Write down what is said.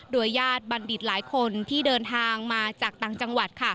ญาติบัณฑิตหลายคนที่เดินทางมาจากต่างจังหวัด